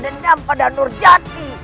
dendam pada nur jati